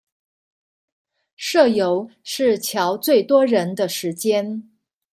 社遊是喬最多人的時間